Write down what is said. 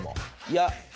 いや。